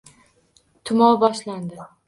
Tumov boshlandi.